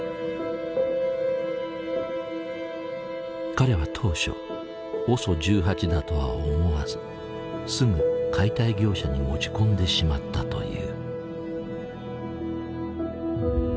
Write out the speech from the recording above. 彼は当初ＯＳＯ１８だとは思わずすぐ解体業者に持ち込んでしまったという。